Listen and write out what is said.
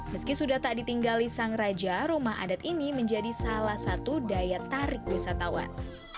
meski sudah tak ditinggali sang raja rumah adat ini menjadi salah satu daya tarik wisatawan